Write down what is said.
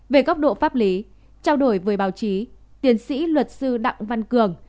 về góc độ pháp lý trao đổi với báo chí tiến sĩ luật sư đặng văn cường